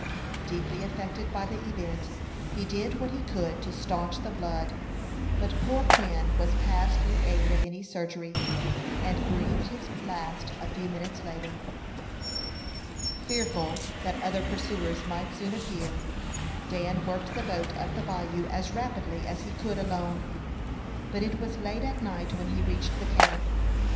Deeply affected by the event, he did what he could to stanch the blood; but poor Quin was past the aid of any surgery, and breathed his last a few minutes later. Fearful that other pursuers might soon appear, Dan worked the boat up the bayou as rapidly as he could alone; but it was late at night when he reached the camp.